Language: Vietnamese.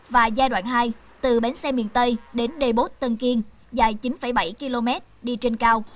và giai đoạn hai từ bến xe miền tây đến đê bốt tân kiên dài chín bảy km đi trên cao